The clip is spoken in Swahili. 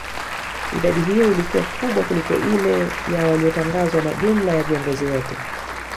idadi hiyo ilikuwa kubwa kuliko hile ya waliyotangazwa na jumla ya viongozi wote